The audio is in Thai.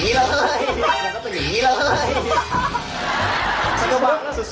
พอเราดูว่ามันบางจริงเราก็หยิบขึ้นมามันก็เป็นอย่างงี้เลย